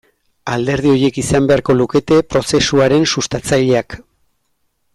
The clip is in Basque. Alderdi horiek izan beharko lukete prozesuaren sustatzaileak.